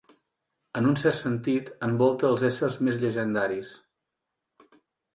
En un cert sentit, envolta els éssers més llegendaris.